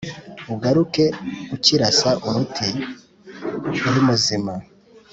ugaruke ukirasa uruti(urimuzima)"